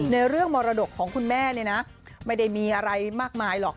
เรื่องมรดกของคุณแม่เนี่ยนะไม่ได้มีอะไรมากมายหรอก